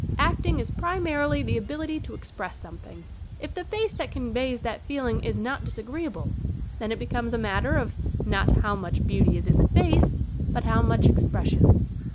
Acting is primarily the ability to express something. If the face that conveys that feel ing is not disagreeable then it becomes a matter of not how much beauty is in the face but how much expression.